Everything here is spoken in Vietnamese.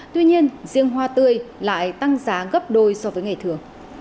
tuy nhiên riêng hoa tươi lại tăng giá gấp đôi so với ngày thường